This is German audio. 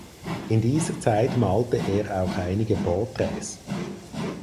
In dieser Zeit malte er auch einige Porträts.